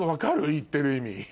言ってる意味。